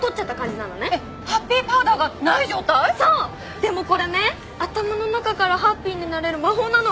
でもこれね頭の中からハッピーになれる魔法なの。